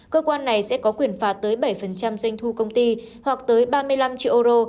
cơ quan này sẽ có quyền phạt tới bảy doanh thu công ty hoặc tới ba mươi năm triệu euro